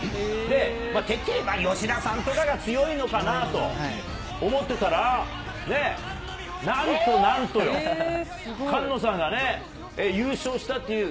てっきり吉田さんとかが強いのかなと思ってたら、なんとなんと菅野さんが優勝したという。